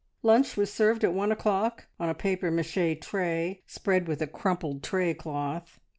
Lunch was served at one o'clock on a papier mache tray spread with a crumpled tray cloth.